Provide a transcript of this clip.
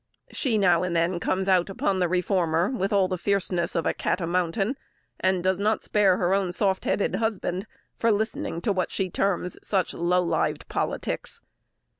She now and then comes out upon the reformer with all the fierceness of a cat o' mountain, and does not spare her own soft headed husband, for listening to what she terms such "low lived politics."